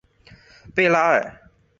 贝拉尔。